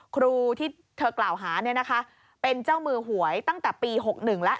ครูที่เธอกล่าวหาเป็นเจ้ามือหวยตั้งแต่ปี๖๑แล้ว